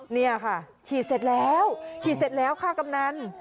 เนี่ยค่ะฉีดเสร็จแล้วฉีดเสร็จแล้วค่ะกำนัน